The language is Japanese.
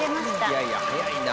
いやいや早いな。